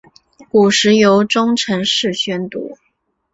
古时由中臣式宣读。